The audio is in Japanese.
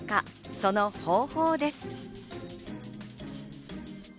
その方法です。